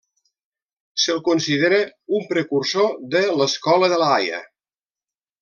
Se'l considera un precursor de l'Escola de La Haia.